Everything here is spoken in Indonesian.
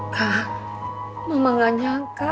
kak dennis saya mengandung kamu